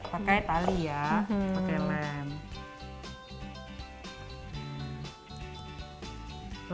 pakai tali ya pakai lem